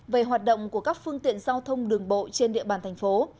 về hoạt động của các phương tiện giao thông đường bộ trên địa bàn thành phố